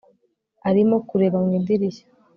Arimo kureba mu idirishya